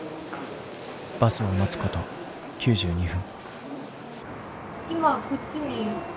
バスを待つこと９２分。